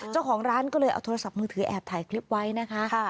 เจ้าของร้านก็เลยเอาโทรศัพท์มือถือแอบถ่ายคลิปไว้นะคะ